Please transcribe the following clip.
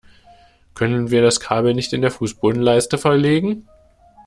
Können wir das Kabel nicht in der Fußbodenleiste verlegen?